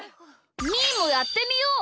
みーもやってみよう！